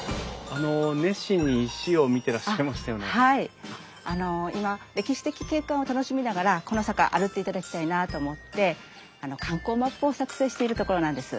あの今歴史的景観を楽しみながらこの坂歩いていただきたいなあと思って観光マップを作成しているところなんです。